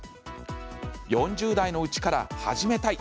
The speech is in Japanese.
４０代のうちから始めたい！